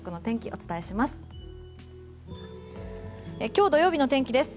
お伝えします。